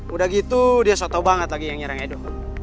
udah gitu dia soto banget lagi yang nyerang edo